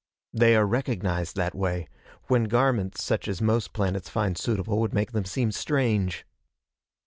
They are recognized, that way, when garments such as most planets find suitable would make them seem strange.